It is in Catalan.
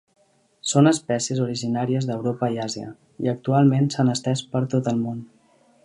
Són espècies originàries d'Europa i Àsia, i actualment s'han estès per tot el món.